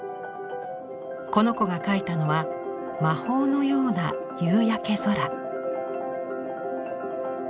この子が描いたのは魔法のような夕焼け空。